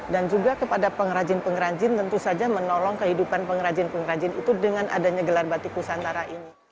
dan juga kepada pengrajin pengrajin tentu saja menolong kehidupan pengrajin pengrajin itu dengan adanya gelar batik nusantara ini